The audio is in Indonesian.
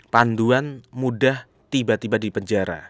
panduan mudah tiba tiba di penjara